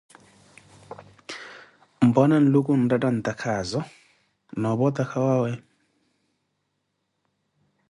Mpwanaawo Nluku, onretta antakhaazo, na opo otakhawawe.